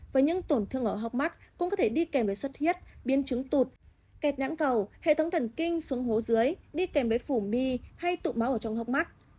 với những tổn thương ở học mắt cũng có thể đi kèm với xuất huyết biến chứng tụt kẹt nãng cầu hệ thống thần kinh xuống hố dưới đi kèm với phủ mi hay tụ máu ở trong hộp mắt